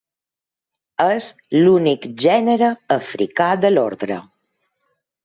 És l'únic gènere africà de l'ordre.